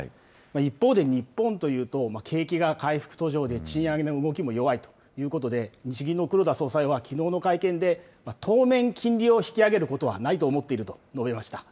一方で日本というと、景気が回復途上で、賃上げの動きも弱いということで、日銀の黒田総裁はきのうの会見で、当面、金利を引き上げることはないとおもっていると述べました。